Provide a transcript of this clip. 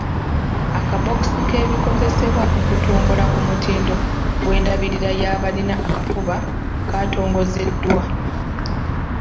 Akabookisi k'ebikozesebwa okutumbula ku mutindo gw'endabirira y'abalina akafuba katongozeddwa.